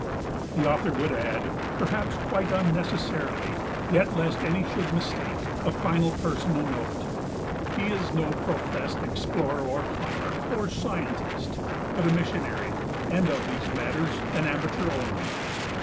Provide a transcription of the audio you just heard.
The author would add, perhaps quite unnecessarily, yet lest any should mistake, a final personal note. He is no professed explorer or climber or "scientist," but a missionary, and of these matters an amateur only.